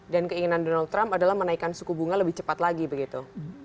dan keinginan donald trump adalah menaikkan suku bunga lebih cepat lagi begitu